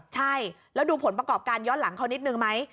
ใช่แล้วดูผลประกอบการย้อนหลังเขานิดนึงไหม